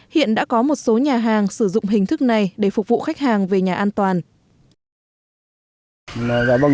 hiện đã có một số nhà hàng sử dụng hình thức này để phục vụ khách hàng về nhà an toàn